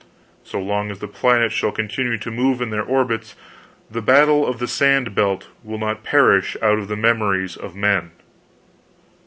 So long as the planets shall continue to move in their orbits, the Battle Of The Sand Belt will not perish out of the memories of men.